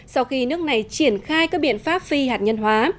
sau khi nước này triển khai các biện pháp phi hạt nhân hóa